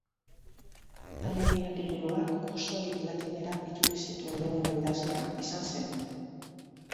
Alegia-liburuak osorik latinera itzuli zituen lehenengo idazlea izan zen.